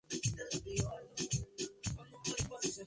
Destaca su participación como Mr.